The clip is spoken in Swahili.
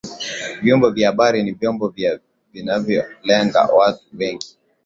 Vyombo vya habari ni vyombo vya vinavyolenga watu wengi